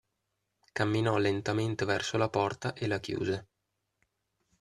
Camminò lentamente verso la porta e la chiuse.